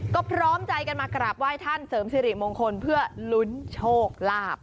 ก็พร้อมใจกันมากราบไหว้ท่านเสริมสิริมงคลเพื่อลุ้นโชคลาภ